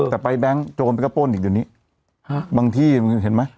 แต่ไปแบงค์โจมไปก็โป้นอีกตัวนี้บางที่เห็นมั้ย